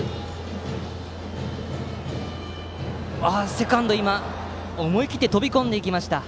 セカンドが思い切って飛び込んでいきました。